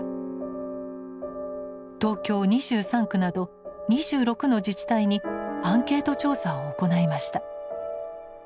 東京２３区など２６の自治体にアンケート調査を行いました。